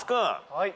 はい。